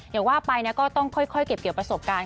เดี๋ยวว่าไปก็ต้องค่อยเก็บเกี่ยวกับประสบการณ์ค่ะ